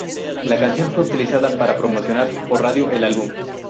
La canción fue utilizada para promocionar por radio el álbum.